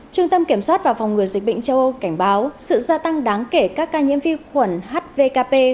trung tâm kiểm soát và phòng ngừa dịch bệnh châu âu cảnh báo sự gia tăng đáng kể các ca nhiễm vi khuẩn hvkp